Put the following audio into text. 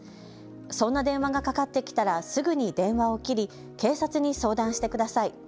そんな電話がかかってきたらすぐに電話を切り警察に相談してください。